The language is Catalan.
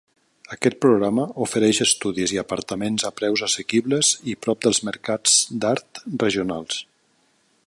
Aquest programa ofereix estudis i apartaments a preus assequibles i prop dels mercats d"art regionals.